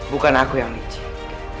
bukan aku yang licik